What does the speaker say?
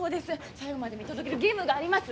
最後まで見届ける義務があります。